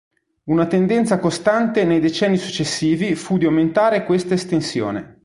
Una tendenza costante nei decenni successivi fu di aumentare questa estensione.